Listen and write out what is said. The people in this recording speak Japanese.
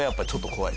怖い。